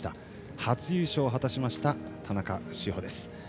初優勝を果たしました田中志歩です。